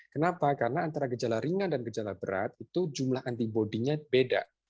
kenapa karena antara gejala ringan dan gejala berat itu jumlah antibody nya beda